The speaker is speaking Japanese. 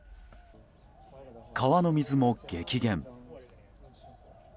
川の水も激減。